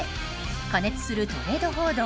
過熱するトレード報道。